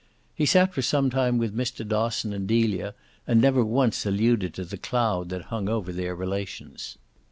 He sat for some time with Mr. Dosson and Delia, and never once alluded to the cloud that hung over their relations.